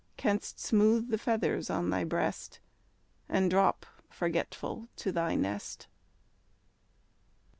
Canst smooth the feathers on thy breast, And drop, forgetful, to thy nest.